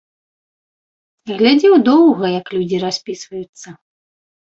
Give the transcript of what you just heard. Глядзеў доўга, як людзі распісваюцца.